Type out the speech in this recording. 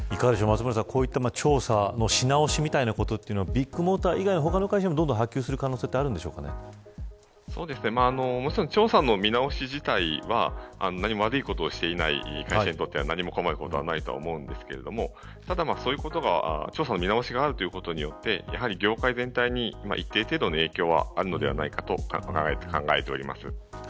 こういった調査のし直しみたいなことはビッグモーター以外の会社にも波及する可能性は調査の見直し自体は悪いことをしていない会社にとっては、困ることはないと思いますがただ、調査の見直しがあるということで業界全体に一定程度の影響はあるのではないかと考えています。